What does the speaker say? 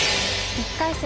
１回戦